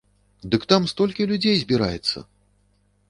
Дык там столькі людзей збіраецца!